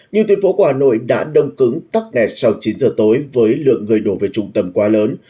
nhưng tuyến phố của hà nội đã đông cứng tắt nẹt sau chín giờ tối với lượng người đổ về trung tâm quá lớn